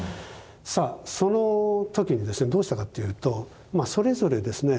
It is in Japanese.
さあその時にどうしたかというとそれぞれですね